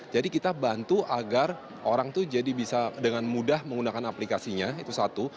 jadi kita bantu agar orang itu jadi bisa dengan mudah menggunakan aplikasinya itu satu